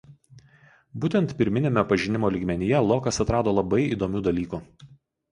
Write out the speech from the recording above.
Būtent pirminiame pažinimo lygmenyje Lokas atrado labai įdomių dalykų.